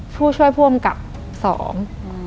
ผู้ช่วยผู้อำกับสอง